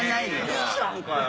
いいじゃんかよ。